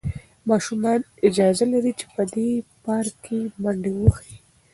ماشومان اجازه لري چې په دې پارک کې منډې ووهي.